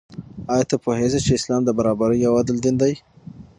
آیا ته پوهېږې چې اسلام د برابرۍ او عدل دین دی؟